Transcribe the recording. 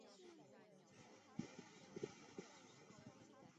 岩藿香为唇形科黄芩属下的一个种。